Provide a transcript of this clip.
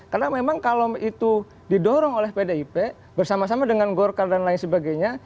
karena memang kalau itu didorong oleh pdip bersama sama dengan golkar dan lain sebagainya